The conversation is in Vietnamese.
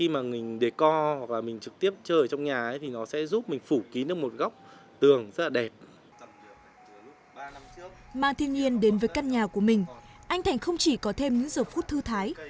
mang thiên nhiên đến với căn nhà của mình anh thành không chỉ có thêm những giờ phút thư thái